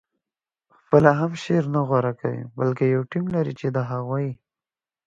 خپله هم شعر نه غوره کوي بلکې یو ټیم لري چې د هغوی